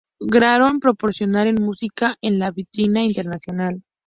Lograron posicionar su música en la vitrina internacional.